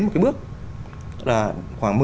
một cái bước là khoảng